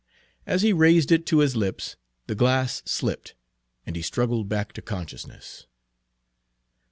As he raised it to his lips the glass slipped, and he struggled back to consciousness.